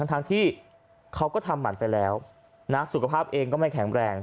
ทั้งที่เขาก็ทำหมันไปแล้วนะสุขภาพเองก็ไม่แข็งแรง